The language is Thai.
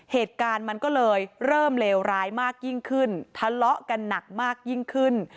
เหตุการณ์มันก็เลยเริ่มเลวร้ายมากยิ่งขึ้นทะเลาะกันหนักมากยิ่งขึ้น